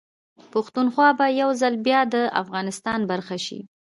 پښتونخوا به يوځل بيا ده افغانستان برخه شي